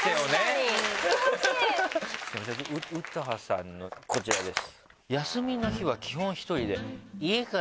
詩羽さんのこちらです。